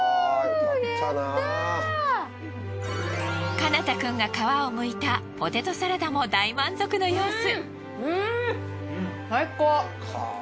奏太くんが皮をむいたポテトサラダも大満足の様子。